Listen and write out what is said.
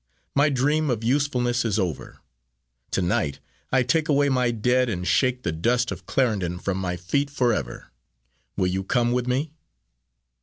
My dream of usefulness is over. To night I take away my dead and shake the dust of Clarendon from my feet forever. Will you come with me?"